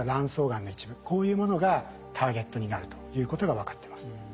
こういうものがターゲットになるということが分かってます。